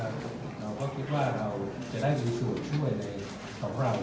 เราก็คิดว่าเราจะได้มีส่วนช่วยในของเรา